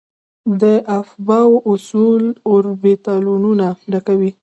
د افباؤ اصول اوربیتالونه ډکوي.